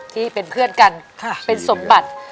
ที่เป็นเพื่อนกันเป็นสมบัติ